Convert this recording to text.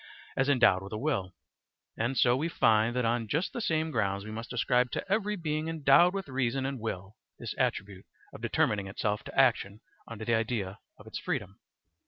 as endowed with a will; and so we find that on just the same grounds we must ascribe to every being endowed with reason and will this attribute of determining itself to action under the idea of its freedom.